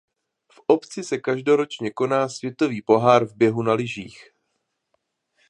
V obci se každoročně koná světový pohár v běhu na lyžích.